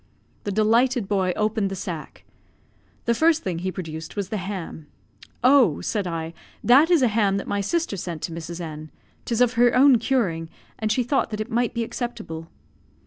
The delighted boy opened the sack. The first thing he produced was the ham. "Oh," said I, "that is a ham that my sister sent to Mrs. N ; 'tis of her own curing, and she thought that it might be acceptable."